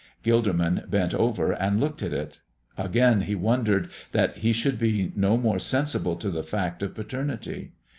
Gilderman bent over and looked at it. Again he wondered that he should be no more sensible to the fact of paternity.